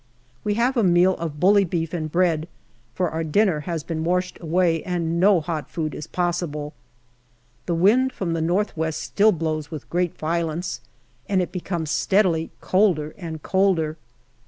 We have a meal of bully beef and bread, for our dinner has been washed away and no hot food is possible. The wind from the north west still blows with great violence, and it becomes steadily colder and colder.